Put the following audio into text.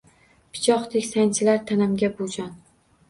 Pichoqdek sanchilar tanamga bu jon